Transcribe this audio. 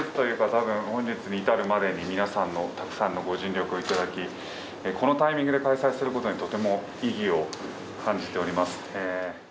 本日に至るまでに皆さんのたくさんのご尽力をいただきこのタイミングで開催することにとても意義を感じております。